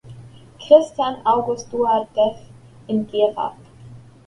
Christian August Eduard Dathe in Gera.